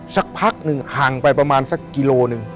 สักพักหนึ่งห่างไปประมาณสักกิโลหนึ่ง